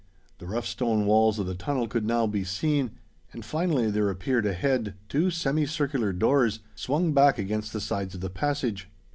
The rough stone walls of the tunnel could now be seen; and finally there appeared, ahead, two semicircular doors, swung back against the sides of the passage.